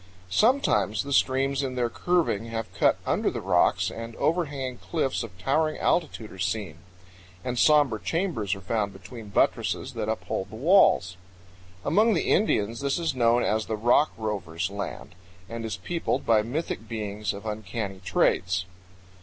Sometimes the streams in their curving have cut under the rocks, and overhanging cliffs of towering altitudes are seen; and somber chambers are found between buttresses that uphold the walls. Among the Indians this is known as the "Rock Rovers' Land," and is peopled by mythic beings of uncanny traits.